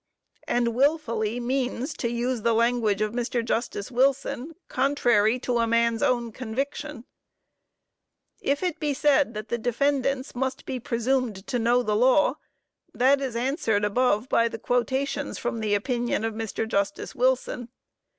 And wilfully means, to use the language of Mr. Justice Wilson, "contrary to a man's own conviction." If it be said that the defendants must be presumed to know the law, that is answered above by the quotations from the opinion of Mr. Justice Wilson.